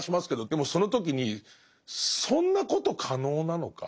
でもその時にそんなこと可能なのか？